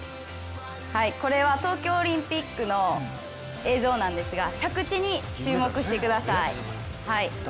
これは東京オリンピックの映像なんですが着地に注目してください。